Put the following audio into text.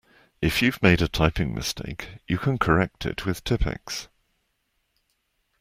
If you've made a typing mistake you can correct it with Tippex